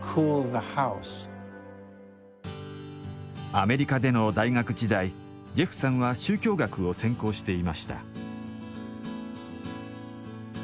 アメリカでの大学時代ジェフさんは宗教学を専攻していました。